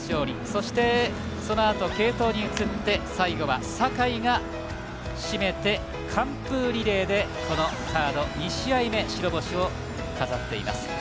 そして、そのあと継投に移って最後は、酒居が締めて完封リレーで、このカード２試合目、白星を飾っています。